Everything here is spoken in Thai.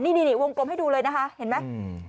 นี่วงกลมให้ดูเลยนะคะเห็นไหม